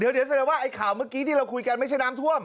เดี๋ยวแสดงว่าเหมือนคุยเมื่อกี้ที่เราคุยไม่ใช่น้ำถ้วม